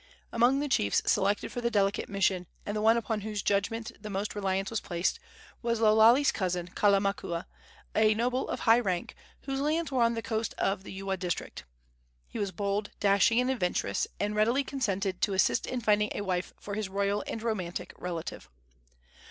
Among the chiefs selected for the delicate mission, and the one upon whose judgment the most reliance was placed, was Lo Lale's cousin, Kalamakua, a noble of high rank, whose lands were on the coast of the Ewa district. He was bold, dashing and adventurous, and readily consented to assist in finding a wife for his royal and romantic relative.